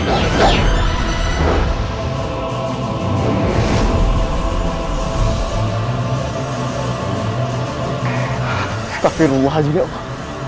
astaghfirullahaladzim ya allah